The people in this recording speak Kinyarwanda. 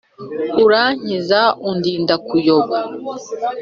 urankiza, undinda kuyoba